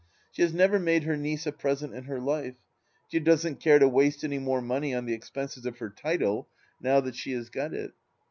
She has never made her niece a present in her life ; she doesn't care to waste any more money on the expenses of her title, now that she has got it.